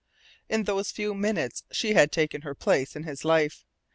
In those few moments she had taken her place in his life.